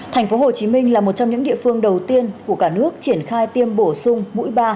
thành phố hồ chí minh là một trong những địa phương đầu tiên của cả nước triển khai tiêm bổ sung mũi ba